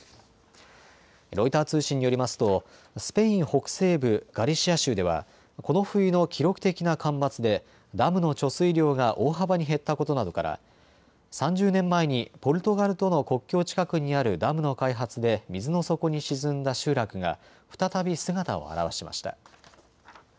ロイター通信によりますとスペイン北西部ガリシア州ではこの冬の記録的な干ばつでダムの貯水量が大幅に減ったことなどから３０年前にポルトガルとの国境近くにあるダムの開発で水の底に沈んだ集落が再び姿を現しました。